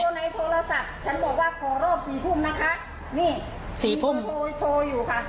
ในโทรศัพท์ฉันบอกว่าขอรอบสี่ทุ่มนะคะนี่สี่ทุ่มโทรโชว์อยู่ค่ะ